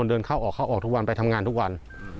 คนในชุมชนเดินเข้าออกทุกวันไปทำงานทุกวัน